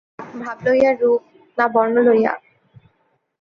ভাব লইয়া রূপ, না, বর্ণ লইয়া?